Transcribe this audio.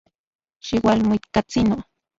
Xiualmuikatsino.